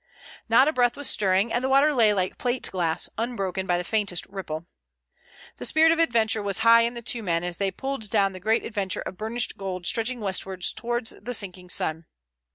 Not a breath was stirring, and the water lay like plate glass, unbroken by the faintest ripple. The spirit of adventure was high in the two men as they pulled down the great avenue of burnished gold stretching westwards towards the sinking sun.